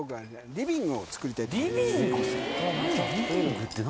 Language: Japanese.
リビング？